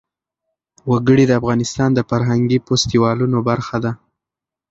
وګړي د افغانستان د فرهنګي فستیوالونو برخه ده.